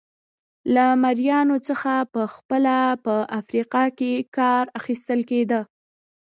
له مریانو څخه په خپله په افریقا کې کار اخیستل کېده.